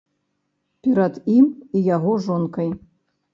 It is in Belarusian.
Перад ім і яго жонкай.